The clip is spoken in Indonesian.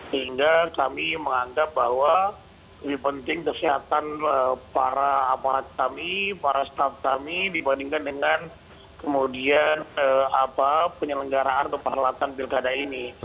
sehingga kami menganggap bahwa lebih penting kesehatan para aparat kami para staff kami dibandingkan dengan kemudian penyelenggaraan atau peralatan pilkada ini